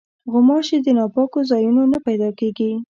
غوماشې د ناپاکو ځایونو نه پیدا کېږي.